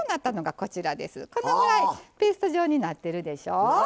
このぐらいペースト状になってるんでしょ。